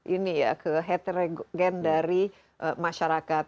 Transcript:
ini ya ke heterogen dari masyarakat